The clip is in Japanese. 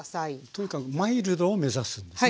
というかマイルドを目指すんですね。